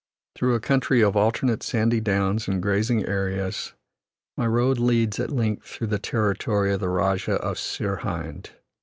Through a country of alternate sandy downs and grazing areas my road leads at length through the territory of the Rajah of Sir hind.